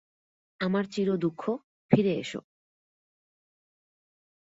আমার চিরদুখ, ফিরে এসো!